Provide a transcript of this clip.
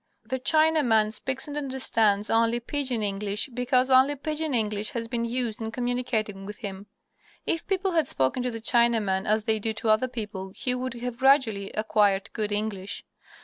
The Chinaman speaks and understands only "Pidgin" English because only "Pidgin" English has been used in communicating with him. If people had spoken to the Chinaman as they do to other people he would have gradually acquired good English.